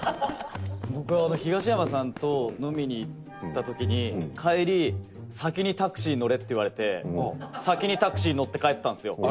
僕東山さんと飲みに行った時に帰り「先にタクシー乗れ！」って言われて先にタクシー乗って帰ったんですよ。